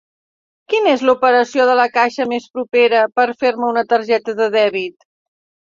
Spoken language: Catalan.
Quina és l'operació de la caixa més propera per fer-me una targeta de dèbit?